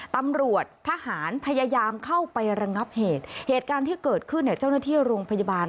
ตำรวจทหารพยายามเข้าไประงับเหตุเหตุการณ์ที่เกิดขึ้นเนี่ยเจ้าหน้าที่โรงพยาบาล